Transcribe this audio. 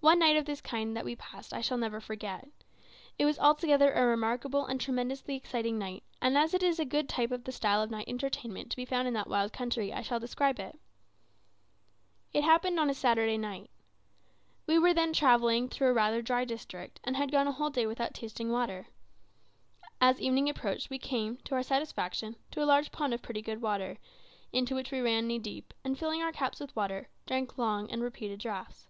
One night of this kind that we passed I shall never forget. It was altogether a remarkable and tremendously exciting night; and as it is a good type of the style of night entertainment to be found in that wild country, I shall describe it. It happened on a Saturday night. We were then travelling through a rather dry district, and had gone a whole day without tasting water. As evening approached we came, to our satisfaction, to a large pond of pretty good water, into which we ran knee deep, and filling our caps with water, drank long and repeated draughts.